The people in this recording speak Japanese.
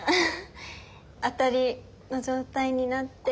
アタリの状態になって。